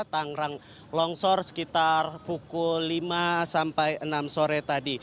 tangerang longsor sekitar pukul lima sampai enam sore tadi